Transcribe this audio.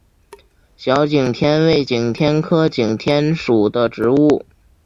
小景天为景天科景天属的植物。